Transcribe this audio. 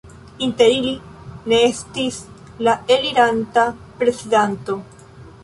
Inter ili ne estis la eliranta prezidanto.